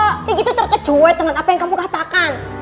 kikisya terkejohet dengan apa yang kamu katakan